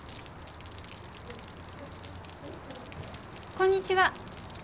こんにちは。